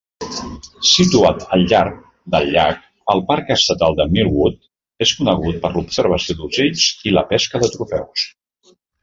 Situat al llarg del llac, el parc estatal de Millwood és conegut per l'observació d'ocells i la pesca de trofeus.